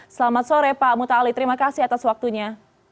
selamat sore pak muta ali terima kasih atas waktunya